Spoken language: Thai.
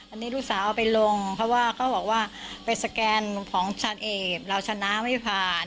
อันนี้ลูกสาวเอาไปลงเพราะว่าเขาบอกว่าไปสแกนของชาญเอกเราชนะไม่ผ่าน